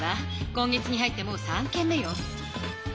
今月に入ってもう３件目よ。